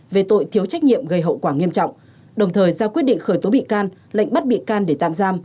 về tội thiếu trách nhiệm gây hậu quả nghiêm trọng đồng thời ra quyết định khởi tố bị can lệnh bắt bị can để tạm giam